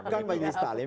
bukan majelis ta'lim